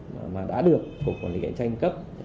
mà đã được cục quản lý nghệ tranh cấp